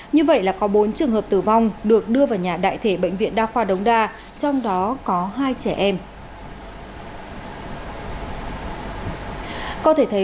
như vậy là có bốn trường hợp tử vong được đưa vào nhà đại thể bệnh viện đa khoa đống đa trong đó có hai trẻ em